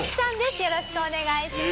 よろしくお願いします。